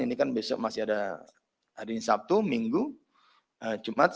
ini kan besok masih ada hari sabtu minggu jumat